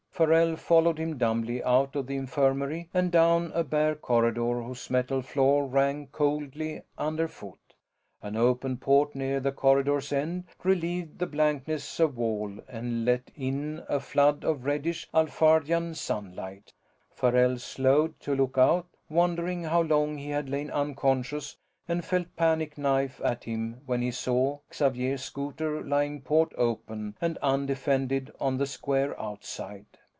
Farrell followed him dumbly out of the infirmary and down a bare corridor whose metal floor rang coldly underfoot. An open port near the corridor's end relieved the blankness of wall and let in a flood of reddish Alphardian sunlight; Farrell slowed to look out, wondering how long he had lain unconscious, and felt panic knife at him when he saw Xavier's scouter lying, port open and undefended, on the square outside.